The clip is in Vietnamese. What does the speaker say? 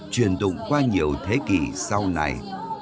truyền tụng qua nhiều thế kỷ sau này